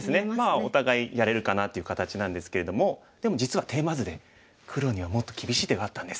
お互いやれるかなっていう形なんですけれどもでも実はテーマ図で黒にはもっと厳しい手があったんです。